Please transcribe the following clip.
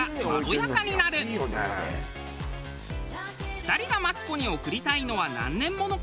２人がマツコに贈りたいのは何年ものか？